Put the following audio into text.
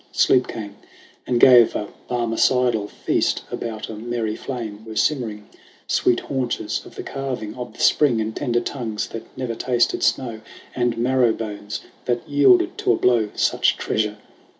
Sleep came and gave a Barmecidal feast. About a merry flame were simmering Sweet haunches of the calving of the Spring, And tender tongues that never tasted snow, And marrow bones that yielded to a blow Such treasure